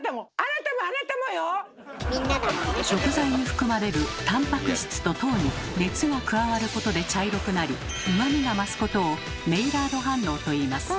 食材に含まれるタンパク質と糖に熱が加わることで茶色くなりうまみが増すことを「メイラード反応」と言います。